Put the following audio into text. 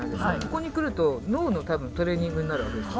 ここに来ると脳の多分トレーニングになるわけです。